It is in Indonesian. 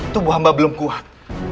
tubuh hamba belum kuat